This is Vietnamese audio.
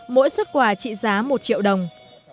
mỗi xuất quà trị giá một triệu đồng